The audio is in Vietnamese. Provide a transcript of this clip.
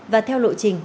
và theo lộ trình